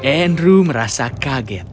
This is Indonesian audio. andrew merasa kaget